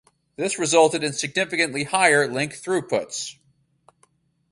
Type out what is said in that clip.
This resulted in significantly higher link throughputs.